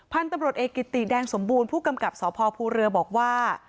พันธุ์ตำรวจเอกกิติแดงสมบูรณ์ผู้กำกับสพภูเรือบอกว่า